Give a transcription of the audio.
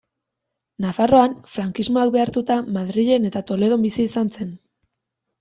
Nafarroan, Frankismoak behartuta Madrilen eta Toledon bizi izan zen.